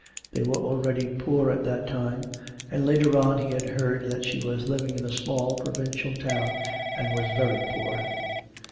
They were already poor at that time and later on he had heard that she was living in a small provincial town and was very poor.